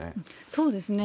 そうですね。